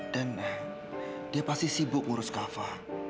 dan dia pasti sibuk ngurus kava